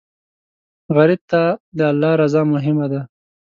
غریب ته د الله رضا مهمه ده